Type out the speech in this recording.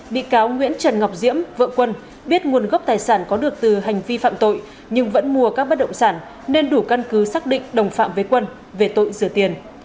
bị cáo nguyễn trần ngọc diễm vợ quân biết nguồn gốc tài sản có được từ hành vi phạm tội nhưng vẫn mua các bất động sản nên đủ căn cứ xác định đồng phạm với quân về tội rửa tiền